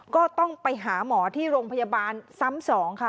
ก็ต้องไปหาหมอที่โรงพยาบาลซ้ำสองค่ะ